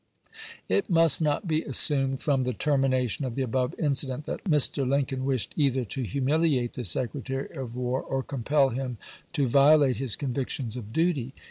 It must not be assumed from the termination of the above incident that Mr. Lincoln wished either to humiliate the Secretary of War or compel him to violate his convictions of duty.